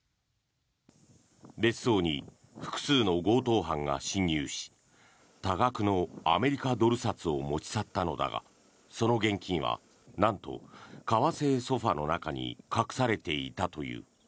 別荘に複数の強盗犯が侵入し多額のアメリカドル札を持ち去ったのだがその現金は、なんと革製ソファの中に隠されていたという。